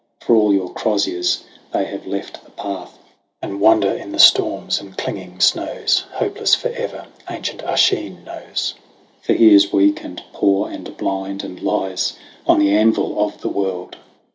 For all your croziers, they have left the path And wander in the storms and clinging snows, Hopeless for ever : ancient Oisin knows, For he is weak and poor and blind, and lies On the anvil of the world.